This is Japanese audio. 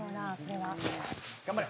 頑張れ。